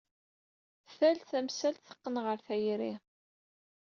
Tal tamsalt teqqen ɣer tayri.